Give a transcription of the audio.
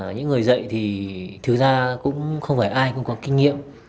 những người dạy thì thực ra cũng không phải ai cũng có kinh nghiệm